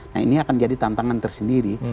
nah ini akan jadi tantangan tersendiri